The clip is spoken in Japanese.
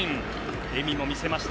笑みも見せました